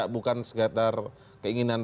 bukan sekedar keinginan